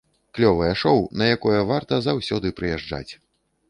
Клёвае шоў, на якое варта заўсёды прыязджаць!